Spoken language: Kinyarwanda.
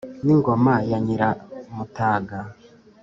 n'ingoma ya nyiramutaga,